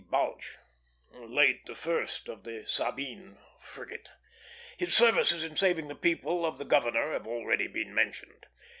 Balch, late the first of the Sabine frigate. His services in saving the people of the Governor have already been mentioned.